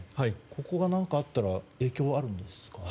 ここが何かあったら影響はあるんですか？